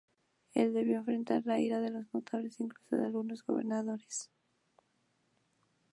Él debió enfrentar la ira de los notables e incluso de algunos gobernadores.